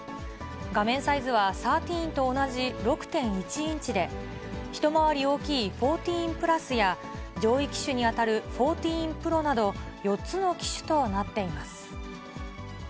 画面サイズは１３と同じ６．１インチで、一回り大きい１４Ｐｌｕｓや上位機種に当たる１４Ｐｒｏなど、４つの機種となっています。